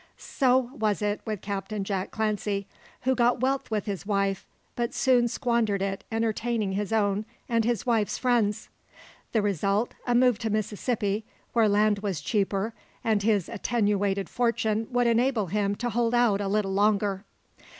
So was it with Captain Jack Clancy; who got wealth with his wife, but soon squandered it entertaining his own and his wife's friends. The result, a move to Mississippi, where land was cheaper, and his attenuated fortune would enable him to hold out a little longer.